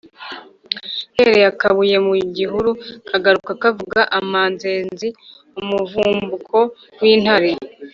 Ntereye akabuye mu gihuru kagaruka kavuga amanzenzi-Umuvumbuko w'intare.